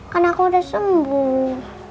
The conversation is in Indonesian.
karena aku udah sembuh